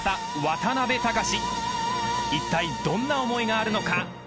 ［いったいどんな思いがあるのか］